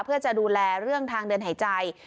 เพื่อจะดูแลเรื่องทางเดินหายใจ